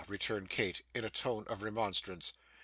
returned Kate, in a tone of remonstrance.